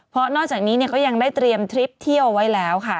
เพราะนอกจากนี้ก็ยังได้เตรียมทริปเที่ยวไว้แล้วค่ะ